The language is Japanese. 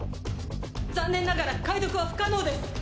残念ながら解読は不可能です。